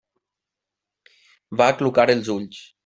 Va aclucar els ulls.